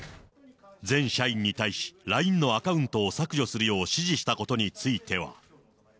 全社員に対し、ＬＩＮＥのアカウントを削除するよう指示したことについては。